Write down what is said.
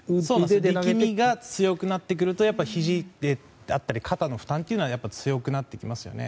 力みが強くなってくるとひじであったり、肩の負担は強くなってきますよね。